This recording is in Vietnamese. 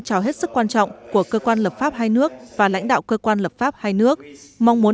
trò hết sức quan trọng của cơ quan lập pháp hai nước và lãnh đạo cơ quan lập pháp hai nước mong muốn